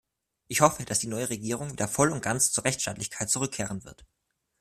Ich hoffe, dass die neue Regierung wieder voll und ganz zur Rechtsstaatlichkeit zurückkehren wird.